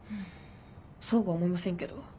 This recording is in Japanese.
そうは思いませんけど。